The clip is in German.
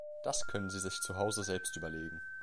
Das können sie sich zu Hause selbst überlegen.